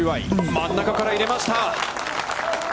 真ん中から入れました。